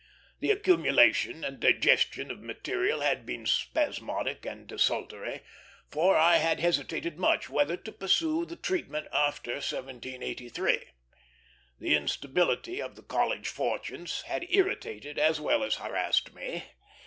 The accumulation and digestion of material had been spasmodic and desultory, for I had hesitated much whether to pursue the treatment after 1783. The instability of the College fortunes had irritated as well as harassed me.